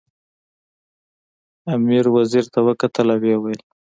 امیر وزیر ته وکتل او ویې ویل.